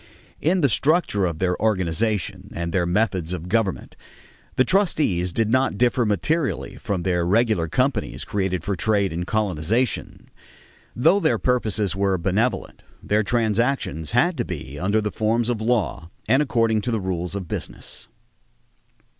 In the structure of their organization and their methods of government, the trustees did not differ materially from the regular companies created for trade and colonization. Though their purposes were benevolent, their transactions had to be under the forms of law and according to the rules of business.